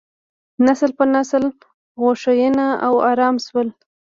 نسل په نسل غوښین او ارام شول.